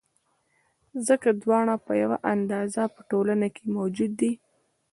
ځکه دواړه په یوه اندازه په ټولنه کې موجود دي.